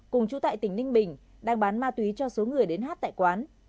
cùng chủ tại tỉnh ninh bình đang bán ma túy cho số người đến hát tại quán